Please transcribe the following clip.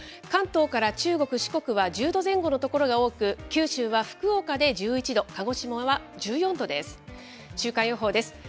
関東から中国、四国は１０度前後の所が多く、九州は福岡で１１度、鹿児島は１４度です。